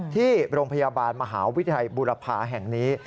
ที่โรงพยาบาลมหาวิทยาลัยบุรพาแห่งนี้